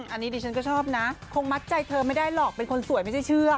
อันนี้ดิฉันก็ชอบนะคงมัดใจเธอไม่ได้หรอกเป็นคนสวยไม่ใช่เชื่อ